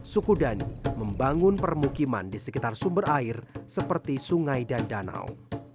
suku dhani membangun permukiman di sekitar sumber air seperti sungai dan danau